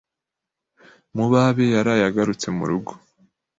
Mubabe yaraye agarutse murugo.